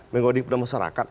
mengabdi kepada masyarakat